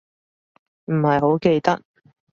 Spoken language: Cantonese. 唔係好記得